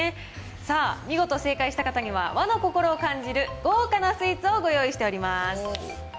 さあ、見事正解した方には、和の心を感じる豪華なスイーツをご用意しております。